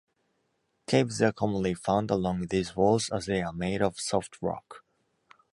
Caves are commonly found along these walls as they are made of soft rock.